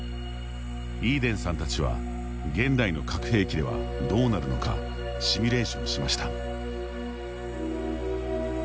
イーデンさんたちは現代の核兵器ではどうなるのかシミュレーションしました。